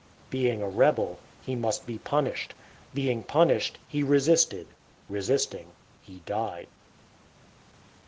Being a rebel, he must be punished. Being punished, he resisted. Resisting, he died.